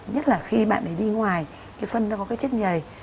nhất là khi bạn ấy đi ngoài phân nó có chất nhầy